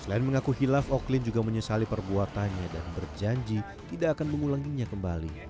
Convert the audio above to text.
selain mengaku hilaf oklin juga menyesali perbuatannya dan berjanji tidak akan mengulanginya kembali